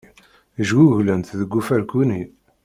Jguglent deg ufarku-nni.